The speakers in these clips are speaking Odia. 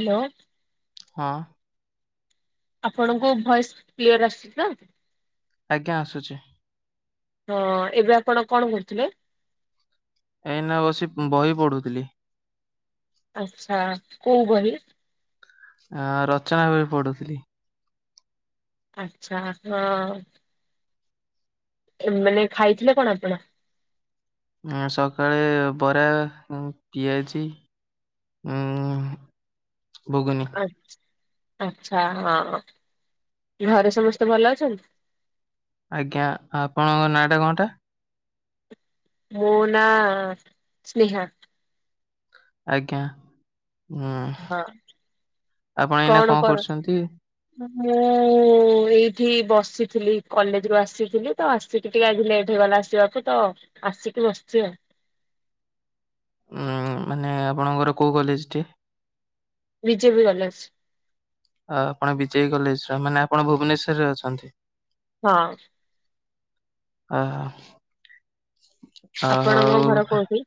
ହ୍ୟାଲୋ। ହଁ ଆପଣଙ୍କ ଭଏସ୍ କ୍ଲିୟର ଆସୁଛି ତ। ଆଜ୍ଞା ଆସୁଛି। ହଁ, ଏବେ ଆପଣ କଣ କରୁଥିଲେ? ଏଇନା ବସି ବହି ପଢୁଥିଲି। ଆଚ୍ଛା କୋଉ ବହି। ଆ ରଚନା ବି ପଡୁଥିଲି। ଆଚ୍ଛା ହଁ। ଏମାନେ ଖାଇଥିଲେ କଣ ଆପଣ? ହଁ ସକାଳେ ବରା ପିଆଜି। ଉଁ ଘୁଗୁନି। ଆଚ୍ଛା ହଁ ହଁ ଘରେ ସମସ୍ତେ ଭଲ ଅଛନ୍ତି। ଆଜ୍ଞା ଆପଣଙ୍କ ନାଁଟା କଣଟା? ମୋ ନାଆଁ ସ୍ନେହା। ଆଜ୍ଞା ହୁଁ ହଁ ଆପଣ ଏଇନା କଣ କରୁଛନ୍ତି? ହଁ ମୁଁ ଏଇଠି ବସିଥିଲି କଲେଜରୁୁ ଆସିଥିଲି ତ ଆସିକି ଟିକେ ଆଜି ଲେଟ ହେଇଗଲା ଆସିବାକୁ ତ। ଆସିକି ବସିଛି ଆଉ। ଉଁ ମାନେ ଆପଣଙ୍କର କୋଉ କଲେଜଟି? BJP college. ଆପଣ ବିଜେପି କଲେଜ ର ମାନେ ଆପଣ ଭୁବନେଶ୍ୱରରେ ଅଛନ୍ତି। ହଁ। ଓ ଓ ଆପଣଙ୍କ ଘର ହଉ। କୋଉଠି?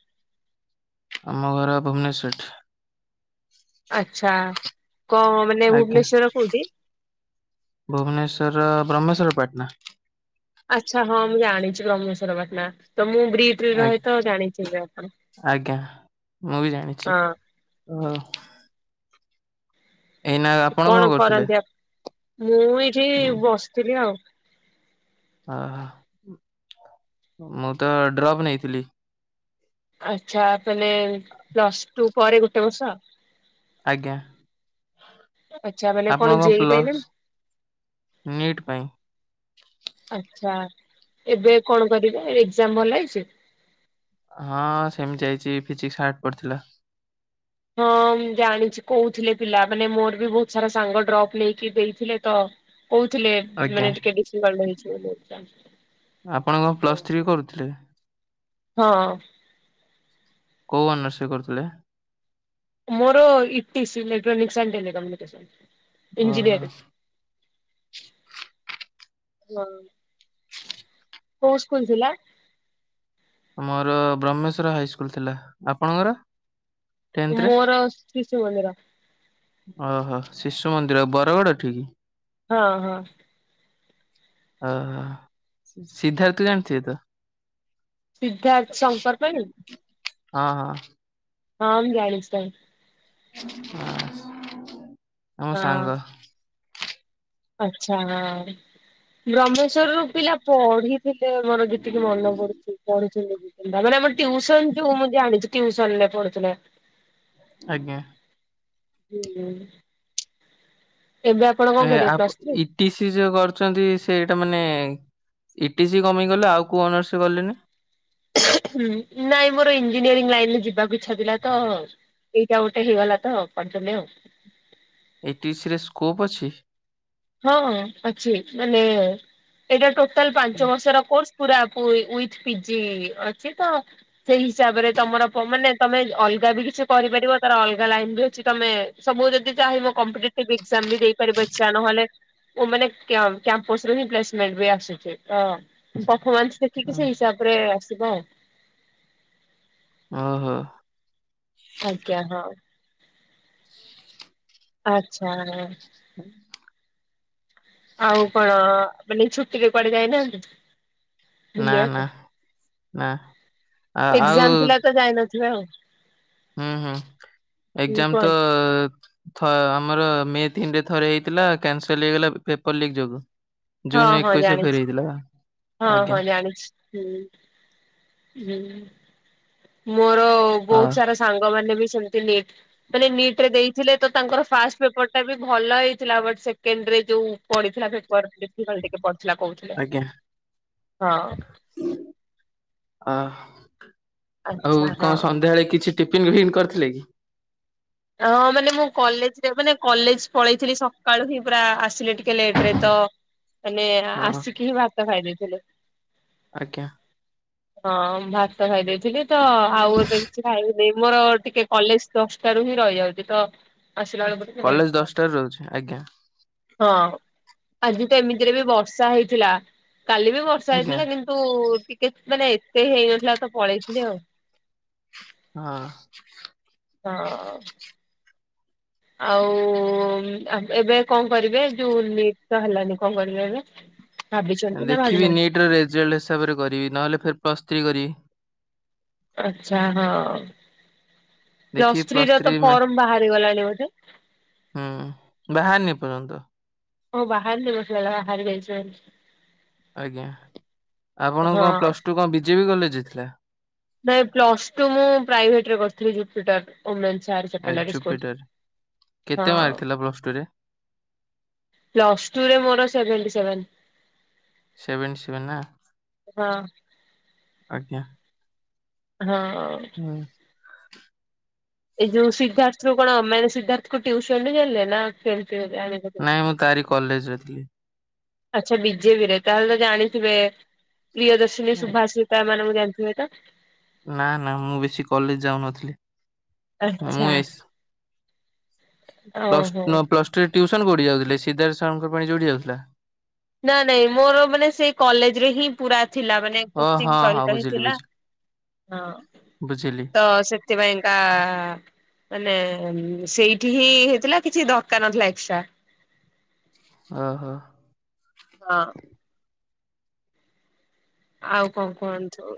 ଆମ ଘର ଭୁବନେଶ୍ୱର। ଆଛା କଣ? ମାନେ ଆଜ୍ଞା ଭୁବନେଶ୍ଵର କୋଉଠି? ଭୁବନେଶ୍ଵର ବ୍ରହ୍ମେଶ୍ଵର ପାଟଣା। ଆଛା ହଁ ମୁଁ ଜଣିଛି ବ୍ରହ୍ମେଶ୍ୱର ପାଟଣା ତ ମୁଁ ବ ଆ- ରହିତ ଜାଣିଛ ଆପଣ ଆଜ୍ଞା ହଁ। ହଁ। ଆପଣ କଣ କରୁଥିଲେ? କରନ୍ତି ଆ ମୁଁ ଏଇଠି ଉଁ ବସିଥିଲି ଆଉ। ଓହୋ ମୁଁ ତ ଡ୍ରପ୍ ନେଇଥିଲି। ଆଚ୍ଛା ମାନେ ପ୍ଲସ୍ ଟୁ ପରେ ଗୋଟେ ବର୍ଷ। ଆଜ୍ଞା। ଆଚ୍ଛା ମାନେ କଣ ଆପଣଙ୍କ ଜେଇ ପାଇଁ ନା ପ୍ଲସ୍ ନିଟ୍ ପାଇଁ। ଆଛା ଏବେ କଣ କରିବ ଏକ୍ଜାମ ଭଲ ହେଇଛି। ହଁ ସେମିତି ହେଇଛି ଫିଜିକ୍ସ ହାର୍ଟ ପଡିଥିଲା। ହଁ ମୁ ଜାଣିଛି କହୁଥିଲେ ପିଲା ମାନେ ମୋର ବି ବହୁତ ସାରା ସାଙ୍ଗ ଡ୍ରପ୍ ନେଇକି ଦେଇଥିଲେ ତ। କହୁଥିଲେ ଆଜ୍ଞା ମାନେ [unintelligible] ଆପଣ କଣ ପ୍ଲସ୍ ଥ୍ରୀ କରୁଥିଲେ। ହଁ। କୋଉ ଅନର୍ଷ କରୁଥିଲେ? ମୋର ଇଟଶ୍ରୀ ଏଲେକ୍ଟ୍ରାନିକକ୍ସ୍ ଆଣ୍ଟ ହେଲି କମ୍ୟୁନିକେସନ୍ ଓହୋ ଇନଞ୍ଜିନିୟରିଂ। ହ କୋଉ ସ୍କୁଲ ଥିଲା। ମୋର ବ୍ରହ୍ମେଶ୍ଵର ହାଇସ୍କୁଲ ଥିଲା ଆପଣଙ୍କର? ଟେନ୍ଥରେ? ମୋର ଶିଶୁ ମନ୍ଦିର। ଓହୋ ଶିଶୁ ମନ୍ଦିର ବରଗଡ଼ ଏଠିକି। ହଁ ହଁ। ଓହୋ ସିଦ୍ଧାର୍ଥ ଜାଣିଥିବେ ତ? ସିଦ୍ଧାର୍ଥ ଶଙ୍କର ପାଇଁ। ହଁ ହଁ। ହଁ ମୁଁ ଜାଣିଛି। ହଁ ଆମ ସାଙ୍ଗ। ଆଛା ହଁ। ବ୍ରହ୍ମେଶ୍ଵର ର ପିଲା ପଢିଥିଲେ ମୋର ଯେତିକି ମନେ ପଡୁଛି। ପୁ ମାନେ ଟିଉସନ ଯେ ମୁଁ ଜାଣିଛି ଟିଉସନ ରେ ପଢୁଥିଲେ। ଆଜ୍ଞା। ହୁଁ ହୁଁ। ଏବେ କଣ ଏ କରିବେ ପ୍ଲସ ଆପ ଥ୍ରୀ? ଇଟିସି ଯୋଉ କରୁଛନ୍ତି ସେଇଟା ମାନେ ଇଟିସି କମ୍ପାଇ କଲେ ଆଉ କୋଉ ଅନର୍ସ କଲେନି। ନାଇଁ ମୋର ଇଞ୍ଜିନିୟରିଂ ଲାଇନ ରେ ଯିବାକୁ ଇଚ୍ଛା ଥିଲା ତ। ଏଇଟା ଗୋଟେ ହେଇଗଲା ତ କରିଦେଲି ଆଉ। ଏଟି ସି ରେ ସ୍କୋପ୍ ଅଛି? ହଁ ହଁ ଅଛି ମାନେ ଏଇଟା ଟୋଟାଲ ପାଞ୍ଚ ବର୍ସର କୋର୍ସ। ପୁରା ପୁଇ ୱିଥ ପିଜି ଅଛି ତ? ସେଇ ହିସାବରେ ତମର ପ ମାନେ ତମେ ଅଲଗା ବି କିଛି କରିପାରିବ ତାର ଅଲଗା ଲାଇନ ବି ଅଛି, ତମେ ସବୁ ଯଦି ଚାହିଁ ବ କମ୍ପିଟେଟିଭ ଏକ୍ଜାମ ବି ଦେଇପାରିବ, ଇଚ୍ଛା ନହେଲେ ଓ ମାନେ କ୍ୟାମ୍ କ୍ୟାମ୍ପସ ରେ ହିଁ ପ୍ଲେସ ମେଣ୍ଟ [unintelligible] ଆସିଥିବେ, ତ ପଫମାନ୍ସ ସେତିକି ସେଇ ହିସାବ ଉପରେ ଆସିବ। ହଁ ହଁ। ଆଜ୍ଞା, ହଁ। ଆଛା। ହୁଁ। ଆଉ କଣ ମାନେ ଏଇ ଛୁଟିରେ କୁଆଡେ ଯାଇନାହାନ୍ତି? ନା ବୁଲିବାକୁ? ନା, ନା, ଆ ଆଉ ଏକ୍ଜାମ ଥିଲା ତ ଯାଇନଥିବେ ଆଉ ହୁଁ ହୁଁ, ହୁଁ ଏକ୍ଜାମ କୁହନ୍ତୁ। ତ ଥ ଆମର ମେଥିନ ରେ ଥରେ ହେଇଥିଲା, କ୍ୟାନସଲ ହେଇଗଲା ପେପର ଲିକ ଯୋଗୁ। ହଁ ଜୁନ ହଁ ଏକୋଇଶରେ ଫେର ଜାଣିଛି, ହେଇଥିଲା ହଁ ଆଜ୍ଞା ହଁ ଜାଣିଛି। ହୁଁ, ହୁଁ, ମୋର ହଁ ବହୁତ ସାରା ସାଙ୍ଗମାନୋନ ବି ସେମିତି ନିଟ୍ ମାନେ ନିଟରେ ଦେଇଥିଲେ ତ ତାଙ୍କର ଫାଷ୍ଟ ପେପର ଟା ବି ଭଲ ହେଇଥିଲା ବଟ ସେକଣ୍ଡରେ ଯୋଉ ପଡିଥିଲା ପେପର ଡିଫିକଲ୍ଟ ଟିକେ ପଡି ଥିଲା କହୁଥିଲେ, ଆଜ୍ଞା। ହଁ। ଅ, ଆଉ ଆଚ୍ଛା ହଁ। କଣ ସନ୍ଧ୍ୟାବେଳେ କିଛି ଟିଫିନ୍ ଭିନ୍ କରିଥିଲେ କି? ହଁ ମାନେ ମୁଁ କଲେଜରେ ମାନେ କଲେଜ ପଳେଇଥିଲି ସକାଳୁ ହିଁ ପୁରା ଆସିଲେ ଟି ଲେଟରେ ତ ମାନେ ହଁ ଆସିକି ହିଁ ଭାତ ଖାଇ ଦେଇଥିଲେ। ଆଜ୍ଞା। ହଁ ଭାତ ଖାଇ ଦେଇଥିଲି ତ ଆଉ ଏବେ କିଛି ଖାଇବୁ ଦେଇ ମୋର ଟିକେ କଲେଜ ଦଶଟାରୁ ହିଁ ରହିଯାଉଛି, ତ ଆସିଲା ବେଳକୁ ଟିକେ ଲେଟ୍ କଲେଜ ହେଇଯାଉଛି। ଦଶଟାରେ ରହୁଛି, ଆଜ୍ଞା। ହଁ, ଆଜି ତ ଏମିତିରେ ବି ବର୍ଷା ହେଇଥିଲା, କାଲି ବି ବର୍ଷା ଆଜ୍ଞା ହେଇଥିଲା କି ତୁ ଟିକେ ମାନେ ଏତେ ହେଇନଥିଲା ତ ପଳେଇଥିଲି ଆଉ। ହଁ। ହଁ। ଆଉ ଏବେ କଣ କରିବେ ଯଉ ନିଦ ହେଲାନି କଣ କହିଲେ ଏବେ? ଭାବିଛନ୍ତି ନା ଦେଖିବି ଭାବିନାହାନ୍ତି? ନିଟ୍ ର ରେଜଲ୍ଟ ହିସାବରେ କରିବି ନହେଲେ ଫେ ପ୍ଲସ୍ ଥ୍ରୀ କରିବି। ଆଛା ହଁ, ପ୍ଲସ୍ ଥ୍ରୀ ର ତ ଫର୍ମ ବାହାରି ଗଲାଣି ବୋଧେ? ହୁଁ, ବାହାରନି ପର୍ଯ୍ୟନ୍ତ। ଓ ବାହାର ନି ବସିଗଲା ବାହାରି ଯାଇଛି। ଆଜ୍ଞା, ଆପଣ କଣ ହଁ। ପ୍ଲସ୍ ଟୁ କଣ ବିଜେପି କଲେଜ ଥିଲା? ନାଇଁ ପ୍ଲସ ଟୁ ମୁଁ ପ୍ରାଇଭେଟରେ କରିଥିଲି ଜୁପିଟର। ଓମେନ୍ସ ହାୟର ଏ ସେକେଣ୍ଡାରି ସ୍କୁଲ, ଜୁପିଟର। କେତେ ମାର୍କ ହଁ। ଥିଲା ପ୍ଲସ ଟୁ ରେ ପ୍ଲସ୍ ଟୁରେ ମୋର ସେଭେଣ୍ଟି ସେଭେନ। ସେଭେଣ୍ଟି ସେଭେନ୍ ନା? ହଁ। ଆଜ୍ଞା। ହଁ। ହୁଁ। ଏଯୋଉ ସିଦ୍ଧାନ୍ତରୁ କଣ ମାନେ ସିଦ୍ଧାନ୍ତକୁ ଟିୟୁସନ ଛାଡ଼ିଲେ ନା କେମିତି ଆଣିଲେ? ନାଇଁ ମୁଁ ତାରି କଲେଜରେ ଥିଲି। ଆଚ୍ଛା। ବିଜେପି ରେ ତାହେଲେ ତ ଜାଣିଥିବେ ପ୍ରିୟଦର୍ଶିନୀ ସୁଭାଶି ତା ମାନଙ୍କୁ ଜାଣିଥିବେ ତ? ନା ନା ମୁଁ ବେଶୀ କଲେଜ ଯାଉନଥିଲି। ଆଛା। ପ୍ଲ ପ୍ଲସ ଟୁରେ ଟିୟୁସନ କୋଉଠିକୁ ଯାଉଥିଲେ? ସିଦ୍ଧାନ୍ତ ସାରଙ୍କ ପାଇଁ ଯୋଡିଠିକି ଯାଉଥିଲା। ନା ନାଇଁ ମୋର ମାନେ ସେ କଲେଜ ରେ ହିଁ ପୁରା ଥିଲା ମାନେ ଓ ହଁ କୋଚିଙ୍ଗ ହଁ ସହିତ ହିଁ ବୁଝିଲି ଥିଲା। ବୁଝି ହଁ ବୁଝିଲି ତ ସେ ସେଥିପାଇଁ କା ମାନେ ସେଇଠି ହିଁ ହେଇଥିଲା କିଛି ଦରକାର ନଥିଲା ଏକ୍ସଟ୍ରା। ଓ ହୋ। ହଁ। ଆଉ କଣ କୁହନ୍ତୁ,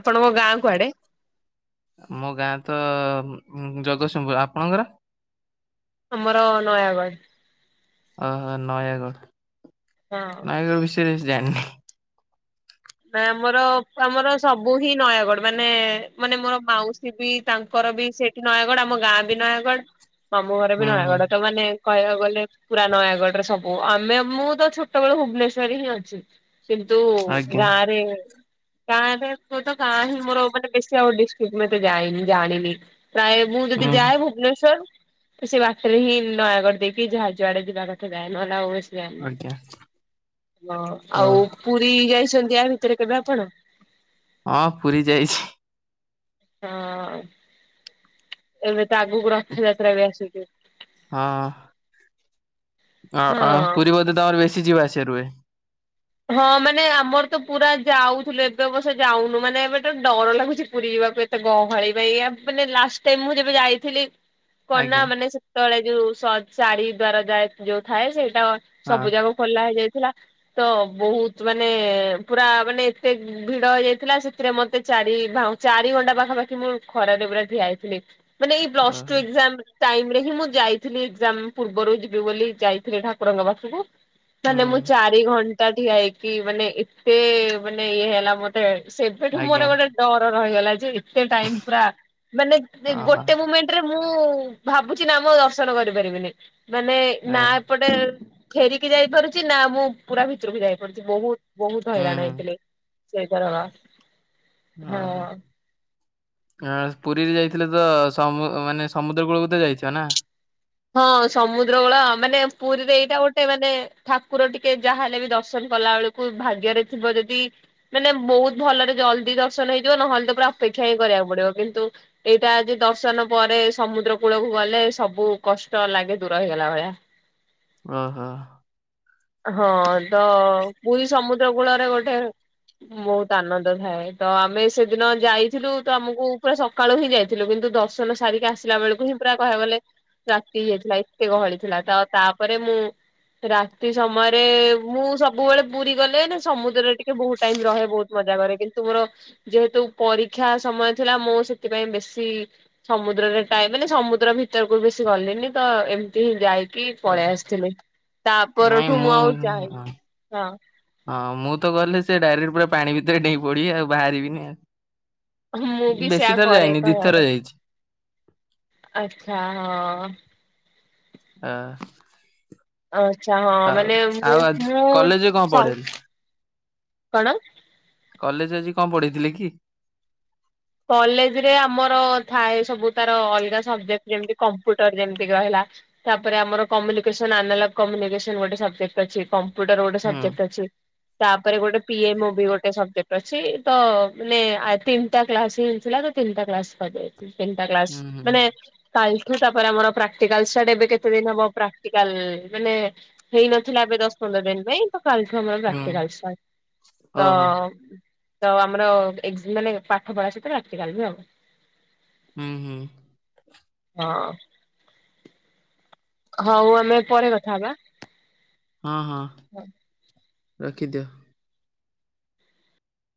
ଆପଣଙ୍କ ଗାଁ କୁଆଡେ? ମୋ ଗାଁ ତ ଉନ୍ ଜଗତସିଂହପୁର ଆପଣଙ୍କର? ଆମର ନୟାଗଡ଼। ଓହୋ। ନୟାଗଡ଼ ହଁ। ନୟାଗଡ଼ ବିଷୟରେ କିଛି ଜାଣିନି। ନା ଆମର ଆମର ସବୁ ହିଁ ନୟାଗଡ ମାନେ ମାନେ ମୋର ମାଉସି ବି ତାଙ୍କର ବି ସେଇଠି ନୟାଗଡ ଆମ ଗାଁ ବି ନୟାଗଡ ମାମୁଁ ଘର ବି ହୁଁ ହୁଁ ନୟାଗଡ ତ ମାନେ କହିବାକୁ ଗଲେ ପୁରା ନୟାଗଡରେ ସବୁ ଆମେ ମୁଁ ତ ଛୋଟବେଳୁ ଭୁବନେଶ୍ଵରରେ ହିଁ ଅଛି। କିନ୍ତୁ ଆଜ୍ଞା। ଗାଁରେ ଗାଁରେ ତ ଗାଁ ହିଁ ମୋର ମାନେ ବେଶୀ ଆଉ ଡିସ୍କ୍ଟିକ ମୁଁ ଏତେ ଯାଏନି ଜାଣିନି। ପ୍ରାୟ ମୁଁ ଯଦି ହୁଁ ଯାଏ ଭୁବନେଶ୍ଵର ତ ସେ ପାଖରେ ହିଁ ନୟାଗଡ଼ ଦେଇକି ଯାହା ଯୁଆଡେ ଯିବା କଥା ଯାଏ ନହେଲେ ଆଉ ବେଶୀ ଜାଣିନି, ଆଜ୍ଞା ହଁ ଓ ଆଉ ପୁରୀ ଯାଇଛନ୍ତି ୟା ଭିତରେ କେବେ ଆପଣ? ହଁ ପୁରି ଯାଇଛି। ହଁ। ଏବେ ତ ଆଗକୁ ରଥଯାତ୍ରା ବି ଆସୁଛି। ହଁ। ଅ ଅ ହଁ। ପୁରୀ ବୋଧେ ତମର ବେଶୀ ଯିବା ଆସିବା ରୁହେ? ହଁ ମାନେ ଆମର ତ ପୁରା ଯାଉଥିଲୁ ଏବେ ବର୍ଷ ଯାଉନୁ ମାନେ ଏବେ ତ ଡର ଲାଗୁଛି ପୁରୀ ଯିବାପାଇଁ। ଏତେଗହଳି ପାଇ ମାନେ ଲାଷ୍ଟ ଟାଇମ୍ ମୁଁ ଯେବେ ଯାଇଥିଲି କନା ଆଜ୍ଞା ମାନେ ସେତେବେଳେ ଯୋଉ ଶ ଶାଢୀ ଦ୍ଵାରା ଯାଏ ଯୋଉ ଥାଏ ସେଇଟା ହଁ ସବୁ ଯାକ ଖୋଲା ହେଇଯାଇଥିଲା ତ ବହୁତ ମାନେ ପୁରା ମାନେ ଏତେ ଭିଡ ହେଇ ଯାଇଥିଲା ସେଥିରେ ମତେ ଚାରି ଭାଉ ଚାରି ଘଣ୍ଟା ପାଖାପାଖି ମୁଁ ଖରାରେ ପୁରା ଠିଆ ହେଇଥିଲି। ମାନେ ଏଇ ଓହୋ ପ୍ଲସ୍ ଟୁ ଏକ୍ସାମ୍ ଟାଇମ୍ ରେ ହିଁ ମୁଁ ଯାଇଥିଲି ଏକ୍ସାମ ପୂର୍ବରୁ ଯିବି ବୋଲି ଯାଇଥିଲି ଠାକୁରଙ୍କ ପାଖକୁ, ହୁଁ। ମାନେ ମୁଁ ଚାରି ଘଣ୍ଟା ଠିଆ ହେଇକି ମାନେ ଏତେ ମାନେ ଇଏ ହେଲା ମ ତେ ସେବେଠୁ ଆଜ୍ଞା ମୋର ଗୋଟେ ଡର ରହିଗଲା ଯେ ଏତେ ଟାଇମ୍ ପୁରା ମାନେ ମାନେ ଓହୋ ଗୋଟେ ମୁମେଣ୍ଟରେ ମୁଁ ଭାବୁଛି ନା ମୁଁ ଆଉ ଦର୍ଶନ କରିପାରିବିନି। ମାନେ ନା ଏ ଏପଟେ ଫେରିକି ଯାଇପାରୁଛି ନା ମୁଁ ପୁରା ଭିତରକୁ ଯାଇପାରୁଛି ବହୁତ୍ ବହୁତ ହୁଁ ହଇରାଣ ହୁଁ ହେଇଥିଲି ସେଇ ଥରକ। ଆ ହା। ହଁ ପୁରୀରେ ଯାଇଥିଲେ ତ ସମୁ ମାନେ ସମୁଦ୍ର କୂଳକୁ ତ ଯାଇଥିବ ନା? ହଁ ସମୁଦ୍ରକୂଳ ମାନେ ପୁରୀରେ ଏଇଟା ଗୋଟେ ମାନେ ଠାକୁର ଟିକେ ଯାହାହେଲେ ବି ଦର୍ଶନ କଲା ବେଳକୁ ଭାଗ୍ୟରେ ଥିବ ଯଦି ମାନେ ବହୁତ ଭଲରେ ଜଲ୍ଦି ଦର୍ଶନ ହେଇଯିବ ନହେଲେ ତ ପୁରା ଅପେକ୍ଷା ହିଁ କରିବାକୁ ପଡିବ କିନ୍ତୁ ଏଇଟା ଆଜି ଦର୍ଶନ ପରେ ସମୁଦ୍ର କୂଳକୁ ଗଲେ ସବୁ କଷ୍ଟ ଲାଗେ ଦୂର ହେଇଗଲା ଭଳିଆ। ଓହୋ। ହଁ ତ ପୁରୀ ସମୁଦ୍ର କୂଳରେ ଗୋଟେ ବହୁତ ଆନନ୍ଦ ଥାଏ ତ ଆମେ ସେଦିନ ଯାଇଥିଲୁ ତ ଆମକୁ ପୁରା ସ ସକାଳୁ ହିଁ ଯାଇଥିଲୁ କିନ୍ତୁ ଦର୍ଶନ ସାରିକି ଆସିଲା ବେଳକୁ ହିଁ ପୁରା କହବାକୁ ଗଲେ ରାତି ହେଇଯାଇଥିଲା ଏତେ ଗହଳି ଥିଲା ତ ତାପରେ ମୁଁ ରାତି ସେହି ସମୟରେ ମୁଁ ସବୁବେଳେ ପୁରୀ ଗଲେ ନା ସମୁଦ୍ରରେ ଟିକେ ବହୁତ ଟାଇମ ରହେ ବହୁତ ମଜା କରେ କିନ୍ତୁ ମୋର ଯେହେତୁ ପରୀକ୍ଷା ସମୟ ଥିଲା ମୁଁ ସେଥିପାଇଁ ବେଶୀ ସମୁଦ୍ରରେ ଟଏ ମାନେ ସମୁଦ୍ର ଭିତରକୁ ବେଶି ଗଲେନି ତ ଏମ ହଁ ଯାଇକି ଓ ପଳେଇ ଆସିଥିଲି ତା ପରଠୁ ମୁଁ ଆଉ ଯାଇନି ହଁ ହଁ ମୁଁ ତ ଗଲେ ସେ ଡାଇରେକ୍ଟ ପୁରା ପାଣି ଭିତରେ ଡେଇଁ ପଡିବି ଆଉ ବାହାରିବିନି ଆଉ। ମୁଁ ବି ସେୟା ବେଶୀ ଥର କରେ ଯାଇନି ଦିଥର ଯାଇଛି। ଆଛା ହଁ। ଅ ଆଚ୍ଛା ହଁ ଆଉ ମାନେ ମୁଁ ଆଉ ମୁଁ କଲେଜରେ କଣ ସମ୍ ପଢେଇଲେ? କଣ କଲେଜ ଆଜି କଣ ପଢେଇଥିଲେ କି? କଲେଜ ରେ ଆମର ଥାଏ ସବୁ ତାର ଅଲଗା ସବଜେକ୍ଟ ଯେମତି କମ୍ପ୍ୟୁଟର ଯେମିତି ରହିଲା ତାପରେ ଆମର କମ୍ୟୁନିକେଶନ ଆଲାନା କମ୍ୟୁନିକେସନ ଗୋଟେ ସବଜେକ୍ଟ ଅଛି କମ୍ ମ୍ପ୍ୟଟର ଗୋଟେ ହୁଁ। ସବଜେକ୍ଟ ଅଛି। ତାପରେ ଗୋଟେ ପି ଏମ ଓ ବି ଗୋଟେ ସବଜେକ୍ଟ ଅଛି ତ ମାନେ ଆ ଏ ତିନିଟା କ୍ଲାସ ହିଁ ଥିଲା ତ ତିନିଟା କ୍ଲାସ କ ତିନିଟା କ୍ଲାସ ହୁଁ ହୁଁ ମାନେ କାଲିଠୁ ତାପରେ ଆମର ପ୍ରାକ୍ଟୀ କାଲ ଷ୍ଟାର୍ଟ ଏବେ କେତେ ଦିନ ହବ ପ୍ରାକ୍ଟିକାଲ ମାନେ ହେଇନଥିଲା ଏବେ ଦଶ ପନ୍ଦର ଦିନ ପାଇଁ। କାଲିଠୁ ଆମର ହୁଁ ପ୍ରକ୍ଟିକାଲ ସଇ ତ ଓହୋ ତ ଆମର ଏକ୍ସ ମାନେ ପାଠ ପଢା ସହିତ ପ୍ରାକଟିକାଲ ବି ହବ। ହୁଁ ହୁଁ। ହଁ। ହଉ ଆମେ ପରେ କଥା ହବା। ହଁ ହଁ ରଖିଦିଅ।